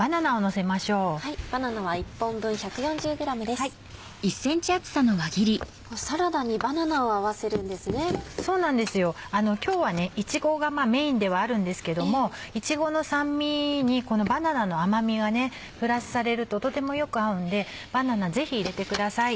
そうなんですよ今日はいちごがメインではあるんですけどもいちごの酸味にこのバナナの甘味がプラスされるととてもよく合うんでバナナぜひ入れてください。